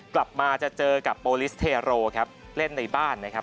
กลับมาจะเจอกับโปรลิสเทโรครับเล่นในบ้านนะครับ